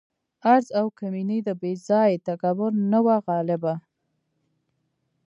عجز او کمیني د بې ځای تکبر نه وه غالبه.